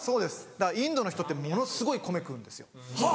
だからインドの人ってものすごい米食うんですよ。